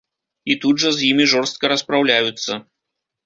І тут жа з імі жорстка распраўляюцца.